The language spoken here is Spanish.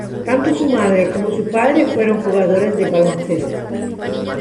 Tanto su madre como su padre fueron jugadores de baloncesto.